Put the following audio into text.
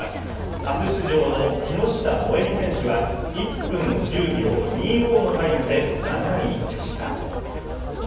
初出場の木下萌実選手は１分１０秒２５のタイムで７位でした。